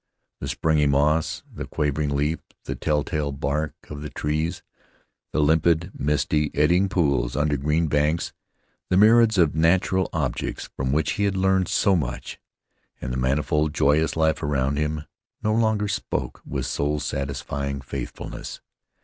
The springy moss, the quivering leaf, the tell tale bark of the trees, the limpid, misty, eddying pools under green banks, the myriads of natural objects from which he had learned so much, and the manifold joyous life around him, no longer spoke with soul satisfying faithfulness.